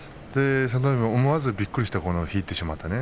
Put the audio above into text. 佐田の海も思わずびっくりして引いてしまったね。